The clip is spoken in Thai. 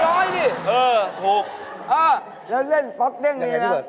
เออแล้วเล่นปลอกเด้งนี้นะ